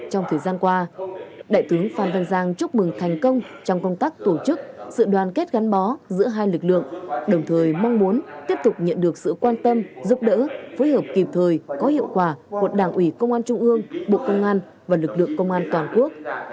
trong thời gian qua đại tướng phan văn giang chúc mừng thành công trong công tác tổ chức sự đoàn kết gắn bó giữa hai lực lượng đồng thời mong muốn tiếp tục nhận được sự quan tâm giúp đỡ phối hợp kịp thời có hiệu quả của đảng ủy công an trung ương bộ công an và lực lượng công an toàn quốc